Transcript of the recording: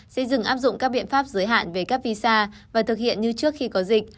xây dựng áp dụng các biện pháp giới hạn về các visa và thực hiện như trước khi có dịch